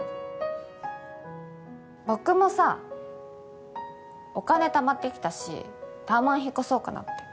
僕もさお金たまってきたしタワマン引っ越そうかなって。